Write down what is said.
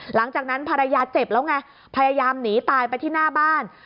หลังจากนั้นภรรยาเจ็บแล้วไงพยายามหนีตายไปที่หน้าบ้าน